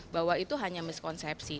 bahwa itu hanya miskonsepsi